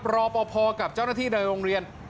รอปภกับเจ้าหน้าที่ในโรงเรียน